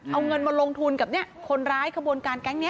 เอาเงินมาลงทุนกับคนร้ายขบวนการแก๊งนี้